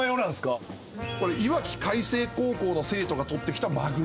これいわき海星高校の生徒がとってきたマグロ。